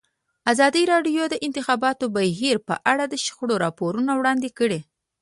ازادي راډیو د د انتخاباتو بهیر په اړه د شخړو راپورونه وړاندې کړي.